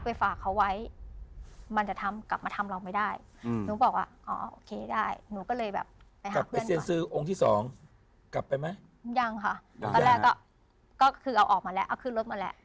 ยังค่ะตอนแรกก็ออกมาแล้วเอาขึ้นรถมาแล้ว